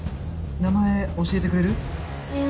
名前教えてくれる？